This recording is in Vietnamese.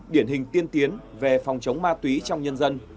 điển hình tiên tiến về phòng chống ma túy trong nhân dân